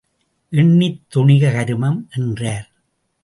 எண்ணித் துணிக கருமம் என்றார்.